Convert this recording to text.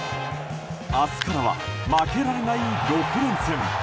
明日からは負けられない６連戦。